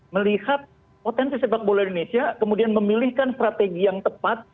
melihat potensi sepak bola indonesia kemudian memilihkan strategi yang tepat